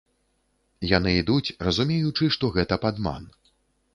Яны ідуць разумеючы, што гэта падман.